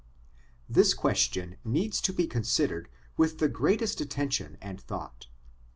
This question needs to be considered with the greatest attention and thought.